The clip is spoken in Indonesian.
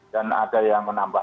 dan ada yang menambah